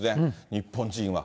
日本人は。